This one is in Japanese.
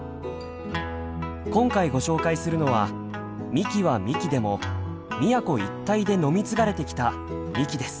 今回ご紹介するのは「みき」は「みき」でも宮古一帯で飲み継がれてきた「みき」です。